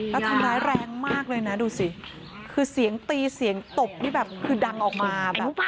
แล้วทำร้ายแรงมากเลยนะดูสิคือเสียงตีเสียงตบนี่แบบคือดังออกมาแบบ